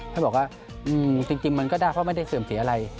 ท่านบอกว่าจริงมันก็ได้เพราะไม่ได้เสื่อมเสียอะไร